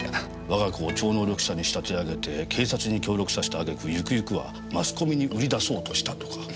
我が子を超能力者に仕立て上げて警察に協力させた揚げ句行く行くはマスコミに売り出そうとしたとか。